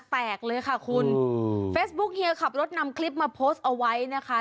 แตกเลยค่ะคุณเฟซบุ๊คเฮียขับรถนำคลิปมาโพสต์เอาไว้นะคะ